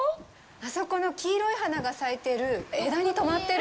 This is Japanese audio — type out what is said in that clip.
あそこの黄色い花が咲いてる枝にとまってる。